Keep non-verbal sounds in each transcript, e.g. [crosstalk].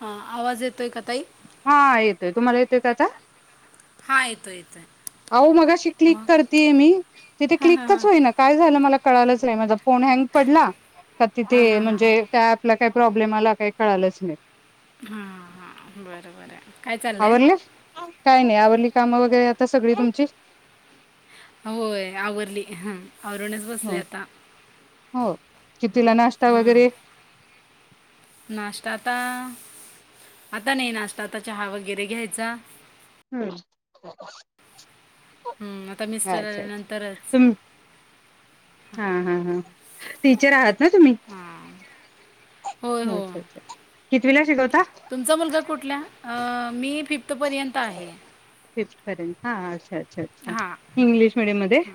हा आवाज येतोय का तई हा येतोय तुम्हाला येतोय त्याचा हा येतो येतोय अहो मगाशी क्लिक मग करतेय मी तिथे हां हां क्लिकच हां होई ना काय झालं मला कळालंच नाही माझ फोन हँग पडला का तिथे हां हां म्हणजे हां त्या ॲपला काही प्रॉब्लेम आला काही कळालंच नाही हा हा बर बर हाय काय चाललंय काम वगैरे ते सगळी तुमची होय आवरली हमं आवरूनच बसले हो आता [inaudible] हा हो कितीला नाश्ता हम्म वगैरे नाश्ता आता आता नाही नाश्ता चहा वगैरे घ्यायचा हम्म [inaudible] हं, आता अच्छा मिस्टर अच्छा आल्यानंतरच तुम् हा हा हा टीचर आहात [unintelligible] तुम्ही होय हो अच्छा अच्छा कींतवीला शिकवता तुमचा मुलगा कुठला मी फिफ्थपर्यंत आहे फिप्ट पर्यंत हा अच्छा अच्छा अच्छा हां इंग्लिश मिडियम मध्ये हं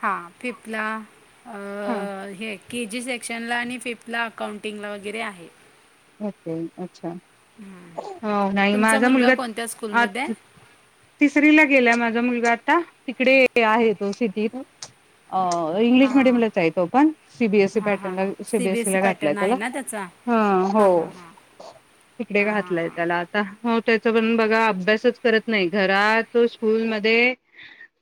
हां फिफ्तला हा आं हे के जी सेक्शनला आणि फिफ्थला अकाउंटिंगला वगैरे आहे ओके ओके अच्छा हो नाही तुमचा माझा मुलगा कोणत्या आ स्कूलमध्ये आहे तिसरीला गेलाय माझा मुलगा का तिकडे आहे तो सिटीत इंग्लिश हां मिडियमलाच आहेत तो पण हां सीबीएसई हां हां हां पॅटर्नला C B CBSE S E ला घातलाय पॅटर्न आहे त्याला ना त्याचा ह हो हां हां हां तिकडे हां हां घातलंय हां त्याला आता हो त्याचा पण बघा अभ्यासच करत नाही घरात स्कूलध्ये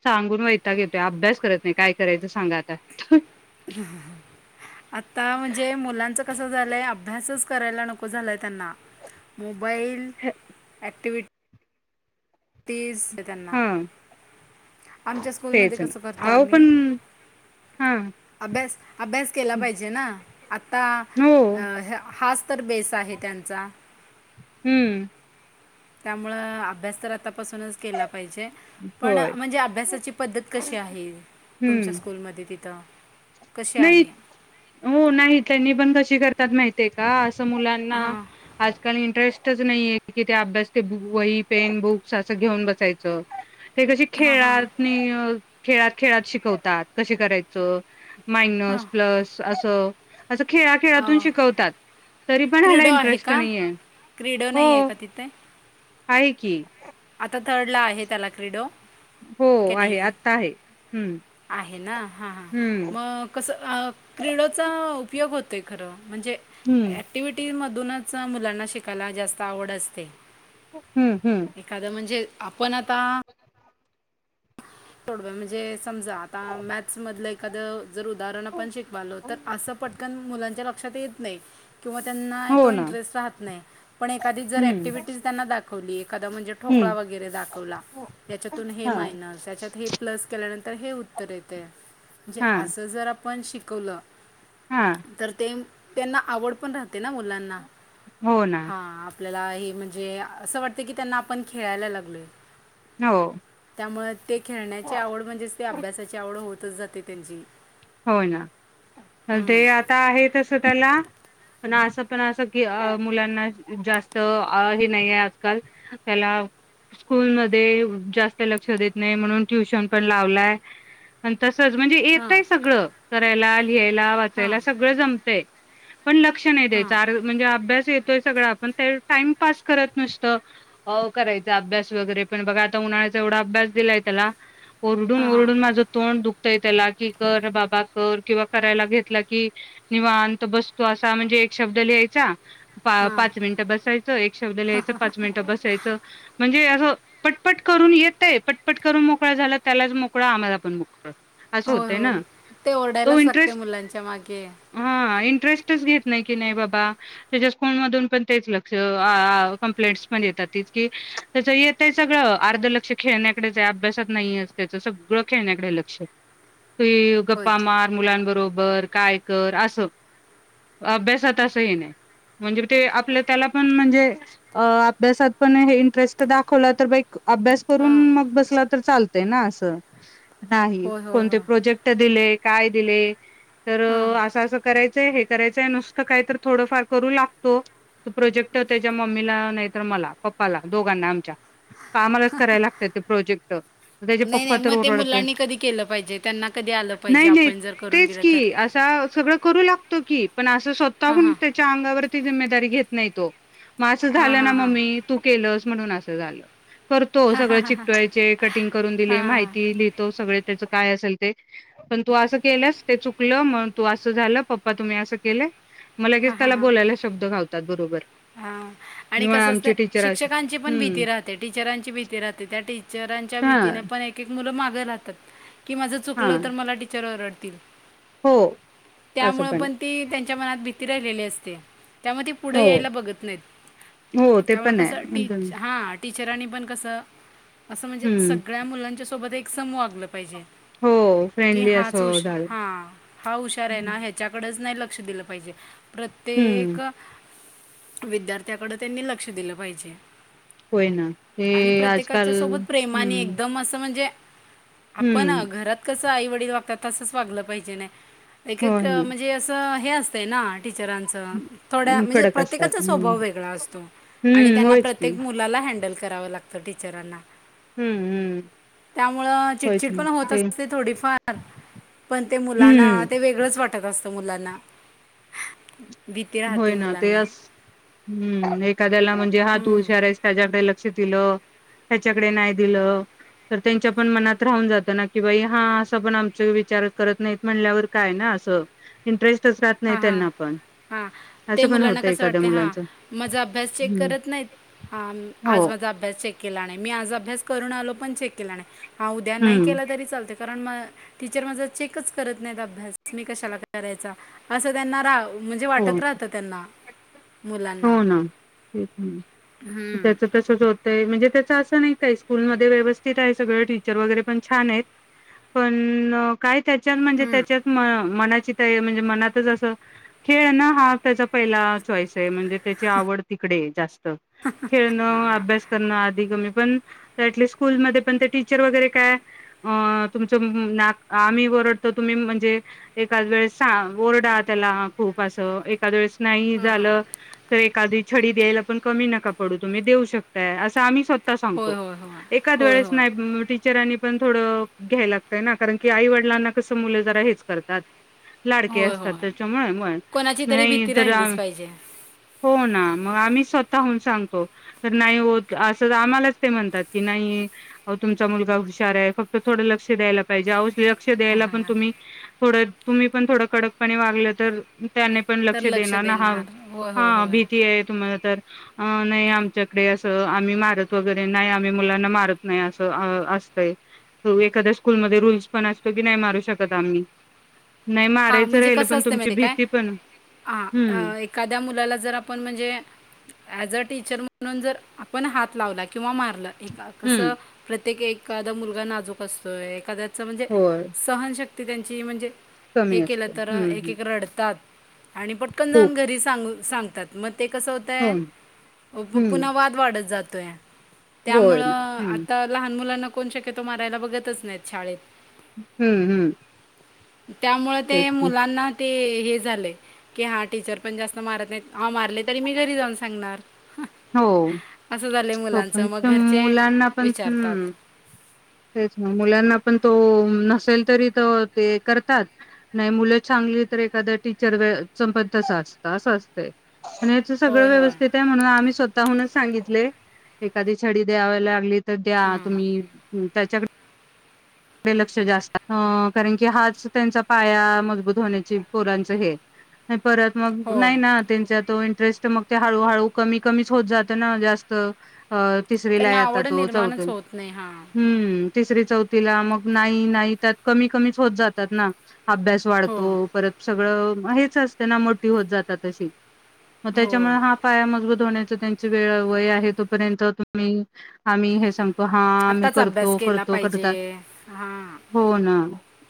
सांगून वैताग येतो अभ्यास करत नाही काय करायचं सांगा आता [inaudible] आता म्हणजे मुलांचं कसं झालय लय अभ्यासच करायला नको झालाय त्यांना मोबाईल ऍक्टिवि तेच हा आमच्या स्कूलमध्ये तेच ना कस करतोय अहो पण आम्ही हा अभ्यास अभ्यास केला पाहिजे ना आता हो हा हा तर बेस आहे त्यांचा हम्म त्यामुळे अभ्यास तर आतापासूनच केला पाहिजे पण होय म्हणजे अभ्यासाची पद्धत कशी आहे तुमच्या हम्म स्कूलमध्ये तिथं कशी नाही आहे हो नाही त्यांनी पण कशी करत त्यात माहिती का [unintelligible] मुलांना हां आजकाल इंटरेस्ट तरच नाहीय कि ते अभ्यास ते वही पेन बुक्स असं घेऊन बसायचं ते कशी हां हां खेळात नाही खेळात खेळात शिकवतात कशी करायचं हां मायनस प्लस असं असं खेळाखेळातून हां शिकवतात तरी पण ह्याला क्रीडो आहे इंटरेस्ट का नाही आहे क्रीडो नाही आहे हो का तिथे आहे की थर्ड ला आहे त्याला क्रीडो हो का नाही आहे आत्ता हम्म आहे ना ह ह हम्म मग कस क्रीडचा उपयोग होतोय खर म्हणजे हम्म ऍक्टिव्हटी मधुनच मुलांना शिकायला जास्त आवड असते हम्म हम्म एखादं म्हणजे आपण पण आता थोडे म्हणजे समजा आता मॅथ्स मधलं एखादं जर उदाहरण आपण शिकवालो तर असं पटकन मुलांच्या लक्षात येत नाही किंवा त्यांना हो तो ना इंटरेस्ट राहत नाही पण एखादीच जर हम्म ॲक्टिव्हिटीज त्यांना दाखवली एखादा म्हणजे हम्म ठोकळा वगैरे दाखवला याच्यातून हे हा मायनस याच्यात [unintelligible] प्लस केल्यानंतर हे उत्तर येत म्हणजे हा असं जर आपण पण शिकवलं हा तर ते त्यांना आवड पण राहते ना मुलांना हो ना? हां आपल्याला आहे म्हणजे असं वाटते की त्यांना आपण खेळायला लागलोय हो [inaudible] त्यामुळे ते न्याची आवड म्हणजेच ते अभ्यासाची आवड [unintelligible] होतच जाते त्यांची हो ना हं. तर आता आहे तसं त्याला पण असं पण अस की मुलांना जास्त हे नाही आहे आजकाल त्याला स्कूलमध्ये जास्त लक्ष देत नाही म्हणून ट्युशन पण लावलाय आणि तसं सहज म्हणजे हां येतंयच करायला आ लिहायला हां वाचायला सगळं जमतंय पण लक्ष नाही द्यायचं हां आर म्हणजे अभ्यास येत सगळं आपण टाइमपस करत बसतो करायच अभ्यास वगैरे पण बघा आता उन्हाळ्याचा एवढा अभ्यास दिलाय त्याला हां ओरडून हां ओरडून माझं तोंड दुख ते त्याला की कर बाबा कर किंवा करायला घेतला कि निवांत बसतो असा म्हणजे एक शब्द लिहायचा पा हां पाच मिनिटं बसायचं एक शब्द लिहायचं पाच मिनिटं बसायचं म्हणजे असं पटपट करून येते पटपट करून मोकळा झाला त्यालाच मोकळा आम्हाला पण मोकळं आ अस हो हो ते ओरढायलाच लागते मुलांच्या मागे हा इंटरेस्टच घेत नाही की नाही बाबा त्याच्या स्कूल मधून पण तेच लक्ष कंप्लेंट पण येतात तितके त्याचं येतेय सगळंअर्ध लक्ष खेळण्याकडेच आहे अभ्यासात नाहीये त्याचं सगळं खेळण्याकडेच लक्ष आहे ते होय गप्पा मार मुलांबरोबर काय कर अस अभ्यासात अस ह नाही म्हणजे ते आपलं त्याला पण म्हणजे अभ्यासात पण हे इंटरेस्ट दाखवला तर बाई अभ्यास हां करून मग बसला तर चालतय ना असं? नाही होय होय कोणते? होय [unintelligible] जेक्ट दिले काय दिले? तर हां असं असं कराय हे करायचंय नुसतं काही तर थोडंफार करू लागतो तो प्रोजेक्ट त्याच्या मम्मीला नाहीतर मला पप्पाला दोघांना आमच्या आम्हालाच करायला लागतय ते प्रोजेक्ट त्याचे नाही पप्पा नाही तर मग ते ओरडतोय मुलांनी कधी केलं पाहिजेत त्यांना कधी आलं पाहिजे नाही आपण जर करून दिलं तर [unintelligible] तो करू लागतो की पण असं हां स्वतःहून हां त्याच्या अंगावरती जिम्मे तरी घेत नाही तो. म असं हां झालं ना हां हां मम्मी तू केलंस. म्हणून असं झालं. करतो सगळं चिकटवायचे कटिंग करून दिले माहिती लिहितो सगळे तेच काय असेल ते पण तू असं केलंस, ते चुकलं मग तू असं झालं, पप्पा तुम्ही असे केले. हा, आणि मग कस असत आमचे टीचर अशी शिक्षकांची पण हम्म भीती राहते, टीचरांची भीती राहते, त्या टीचांच्या हा भीतीने पण एक मुलं माग राहतात. की माझं हा चुकलं तर मला टीचर ओरड तील हो असं त्यामुळे आहे पण ती त्यांच्या मनात भी भीती राहिलेली असते. त्यामुळे ती पुढे हो यायला बघत नाहीत हो ते त्यामुळे पण आहे कसं टीच हा टीचरांनी पण कसं असं म्हणजे हम्म सगळ्या मुलांच्या सोबत एक सम वागलं पाहिजे. हो कि फ्रेंडली हाच असं झालं. हा हा हुशार आहे ना, ह्याच्याकडेच नाही ल क्ष दिलं पाहिजे. हम्म प्रत्येक विद्यार्थ्याकडे त्यांनी लक्ष दिलं पाहिजे. होय ना ते आणि आजकाल प्रत्येकाच्या सोबत प्रेमाने हम्म एकदम असं म्हणजे आपण हम्म घरात कसं आई वडील वागतात तसंच वागलं पाहिजे नाही. एक एक होय ना म्हणजे असं हे आस देणार टीचरांच थोड हं, म्हणजे कडक असतात प्रत्येकाचा हम्म स्वभाव वेगळा असतो आणि हम्म त्यांना होयच की प्रत्येक मुलाला हँडल करावं लागतं टीचरांना. हम्म हम्म त्यामुळं होयच चिटचिड ना पण होत ते असते थोडीफार पण ते मुलांना हम्म ते वेगळंच वाटत असतं. मुलांना [unintelligible] राहते होय ना ते मुलांना अस हम् एखाद्याला म्हणजे हा तू हुशारायस त्याच्याकडे लक्ष लक्ष दिल त्याच्याकडे नाही दिलं तर त्यांच्या पण मनात राहून जातो की बाई हा असा पण आमचा विचार करतच नाही म्हटल्यावर काय ना इंटरेस्ट त्यांची साथ नाही हां, हां. त्यांना पण हां. ते असं पण मुलांना होतं कस एखाद्या वाटतंय हा मुलांचं माझा अभ्यास चेक हम्म करत नाहीत. हा हो. आज माझा अभ्यास चेक केला नाही मी आज अभ्यास करून आलो पण चेक केला नाही. हा उद्या नाही हं. केला तरी चालतय कारण म टीचर माझा चेकच करत नाहीत अभ्यास, मी कशाला करायचा. असं त्यांना राव हो हो मुलांना. तेच मी ना त्याच तसचं होत. ते म्हणजे त्याच असं नाही काय स्कूलमध्ये व्यवस्थित आहे सगळं टीचर वगैरे पण छान आहेत. पण काय त्याच्यात म्हणजे त्याच्यात म मना चितय म्हणजे मनातच अस खेळ ना हा त्याचा पहिला चॉईस आहे. म्हणजे त्याची आवड तिकडे जास्त खेळणं, अभ्यास करणं, आधीगमन पण ऍटलीस्ट स्कूल मध्ये पण ते टीचर वगैरे काय अ तुमच म नाक आम्ही ओरडतो तुम्ही म्हणजे एकाच वेळस ओरडा त्याला खूप असं एखाद वेळेस नाही झालं, तर एखादी छडी द्यायला पण कमी नका पडू तुम्ही देऊ शकताय. असं आम्ही स्वत ता होय, सांगतो होय, होय. होय, एखादंवेळेस होय. नाही टीचरांनी पण थोडं घ्याय लागतय ना कारण की आई वडिलांना कसं मुलं जरा हेच करतात. लाडके होय, असतात होय. त्याच्यामुळे पण कोणाची तरी नाही भीती तर राहिलीच पाहिजे, हो ना मग आम्ही स्वतःहुन सांगतो. तर नाही होत अस आम्हालाच ते म्हणतात, की नाही अहो तुमचा मुलगा हुशार आहे. फक्त थोड लक्ष द्यायला पाहिजे. अहो लक्ष द्यायला पण तुम्ही थोडं तुम्ही पण थोडं कडकपणे वागलं तर त्याने पण तर लक्ष देणार ना हा होय, होय, हा होय. भीती आहे तुम्हाला तर अ नाही आमच्याकडे असं आम्ही मारत वगैरे नाही, आम्ही मुलांना मारत नाही, असं असतय एखाद्या स्कूलमध्ये रूल्स पण असतो, की नाही मारू शकत आम्ही नाही मारायचं राहिलं पण तुमची भीती पण आ अ हम्म एखाद्या मुलाला जर आपण म्हणजे ऍज टीचर म्हणून जर आपण हात लावला की किंवा मारलं एका की हम्म कसं प्रत्येक एक एखादा मुलगा नाजूक असतोय, एखाद्या असं म्हणजे होय सहनशक्ती ती त्यांची म्हणजे हे कमी केलं असतो तर हम्म हम्म एकेक रडतात. आणि पटकन खूप जाऊन घरी सांगून सांगतात मग ते कसं हो होतय प प हम्म पुन्हा वाद वाढत जातो. तय होय त्यामुळं ना हम्म आता लहान मुलांना कोण शक्य तो मारायला बघतच नाहीत शाळेत हम्म हम्म त्यामुळे तेच ते ना. मुलांना ते हे झालंय की हा टीचर पण जास्त मारत नाही आ मारले तरी मी घरी जाऊन सांणार हो तो पण मुलांचं मग पण घरचे मुलांना पण विचारतात हम्म..... तेच ना मुलांना पण तो नसेल तरी तर ते करतात नाही मुलं चांगली तर एखाद्या टीचर च बद्दल असत असं असतंय. आणि याच सगळं होय होय व्यवस्थित आहे म्हणून आम्ही स्वता....... त हूनच सांगितलय एखादी छडी द्यावी लागली तर द्या तुम्ही आम् त्याच्याकड...... लक्ष जास्त, अ कारण की हाच त्यांचा पाया मजबूत होण्याची पोरांच हे परत मग होय नाही ना त्यांच्या तो.... तेच त मग ते हळू हळू कमी कमीच होत जातं ना जास्त. अ तिसरी ला त्यांना य आता आवड तो चौथे निर्माणच होत नाही हां हम्म... तिसरी चौथ तिला मग नाही नाही त्यात कमी कमीच होत जातात ना अभ्यास हो वाढतो परत सगळं हेच असते ना मोठी होत जातात तशी मग हो त्याच्यामुळे हा पाया मजबूत होण्यात... त्यांच वेळ वय आहे, तोपर्यंत तुम्ही आम्ही हे स तो हा आम्ही करतो करतो करतात. [inaudible] हा हो ना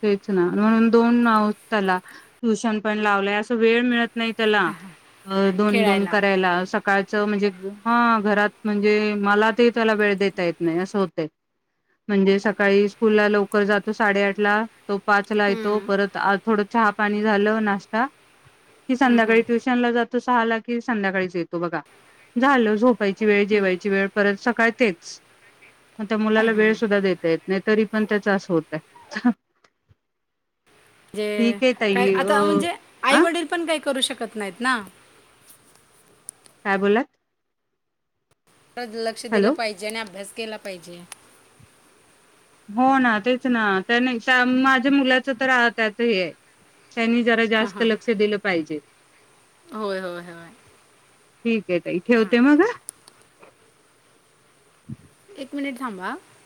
तेच ना म्हणून दोन त्याला ट्युशन पण लावलंय अस वेळ मिळत.. नाही त्याला दोन दोन खेळायला करायला स काळच म्हणजे, हा घरात म्हणजे मला ते.... त्याला वेळ देता येत नाही असं होत म्हणजे सकाळीच... स्कूल ला लवकर जातो साडेआठ ला तो पाचला येतो हम्म, परत आ थोड चहा पाणी झालं नाश्ता ती हम्म, हम्म. संध्याकाळी ट्युशन ला जाते तो सहाला कि संध्याकाळीच येतो बघा झाल झोप झोपायची वेळ जेवायची परत सकाळी तेच मग त्या मुलाला वेळ सुद्धा देता येत नाही. तरी पण त्याच असं होत आहे जे काय ताई अ आता म्हणजे अ आईवडील पण काय करू शकत नाही त ना काय बोललात? लक्ष दिलं पाहिजे आणि अभ्यास केला पाहिजे हो ना तेच ना त्या नाही माझ्या मुलाच तर आता हे आहे त्यांनी जरा जास्त लक्ष दिलं पाहिजे. होय होय होय ठीक आहे ताई हां ठेवते मग हा. [unintelligible] एक मिनिट थांबा हा.